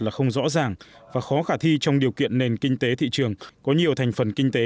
là không rõ ràng và khó khả thi trong điều kiện nền kinh tế thị trường có nhiều thành phần kinh tế